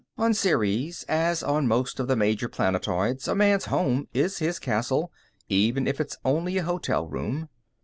On Ceres, as on most of the major planetoids, a man's home is his castle, even if it's only a hotel room.